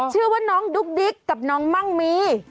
ชื่อว่าน้องดุ๊กดิ๊กกับน้องมั่งมี